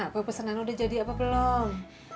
apa pesanan udah jadi apa belum